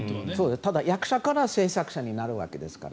ただ、役者から制作者になるわけですから。